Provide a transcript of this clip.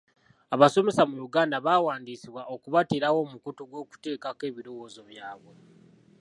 Abasomesa mu Uganda bawandiisibwa okubateerawo omukutu ogw'okuteekako ebirowoozo byabwe